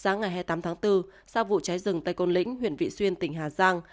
sáng ngày hai mươi tám tháng bốn sau vụ cháy rừng tại côn lĩnh huyện vị xuyên tỉnh hà giang